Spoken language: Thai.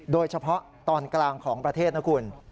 โดยเฉพาะตอนกลางของประเทศนะคุณ